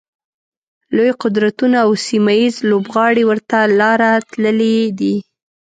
لوی قدرتونه او سیمه ییز لوبغاړي ورته لاره تللي دي.